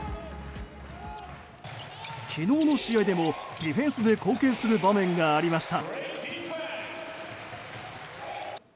昨日の試合でもディフェンスで貢献する場面がありました。